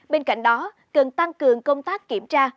bên cạnh đó cần tăng cường công tác kiểm tra